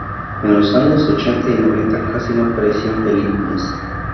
En los años ochenta y noventa casi no apareció en películas.